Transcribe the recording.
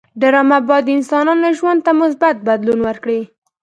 ډرامه باید د انسانانو ژوند ته مثبت بدلون ورکړي